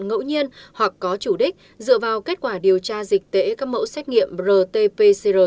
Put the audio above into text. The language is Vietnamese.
ngẫu nhiên hoặc có chủ đích dựa vào kết quả điều tra dịch tễ các mẫu xét nghiệm rt pcr